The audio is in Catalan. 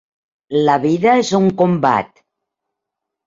La vida és un combat.